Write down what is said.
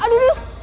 ya ampun emang